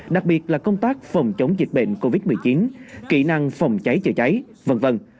đặc biệt là công tác phòng chống dịch bệnh covid một mươi chín kỹ năng phòng cháy chữa cháy v v